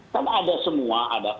kan ada semua